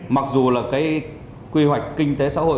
mặc dù là cái quy hoạch kinh tế xã hội